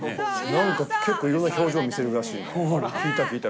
なんか結構、いろんな表情見聞いた、聞いた。